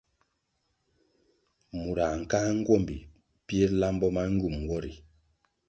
Murãh nkáʼa nguombi pir lambo ma ngywum nwo ri.